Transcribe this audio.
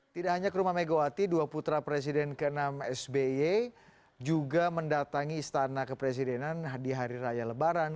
tidak hanya ke rumah megawati dua putra presiden ke enam sby juga mendatangi istana kepresidenan di hari raya lebaran